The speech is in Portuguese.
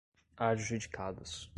adjudicados